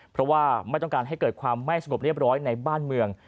เพราะว่าไม่ต้องการให้เกิดความไม่สงบเรียบร้อยในบ้านเมือง